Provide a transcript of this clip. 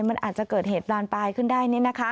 มันอาจจะเกิดเหตุบานปลายขึ้นได้